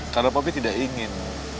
karena pak pi tidak ingin